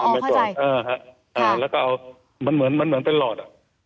อ๋ออ๋ออ๋อเข้าใจแล้วก็เอามันเหมือนเป็นหลอด